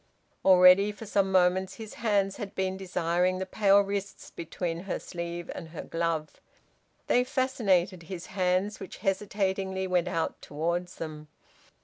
Already for some moments his hands had been desiring the pale wrists between her sleeve and her glove. They fascinated his hands, which, hesitatingly, went out towards them.